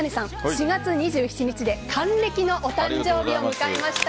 ４月２７日で還暦のお誕生日を迎えました。